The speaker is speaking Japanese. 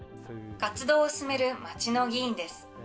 活動を進める町の議員です。